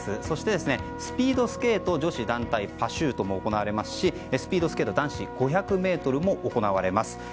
そして、スピードスケート女子団体パシュートも行われますしスピードスケート男子５００ｍも行われます。